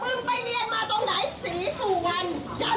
มึงไปเรียนมาตรงไหนศรีสู่วันจัญญา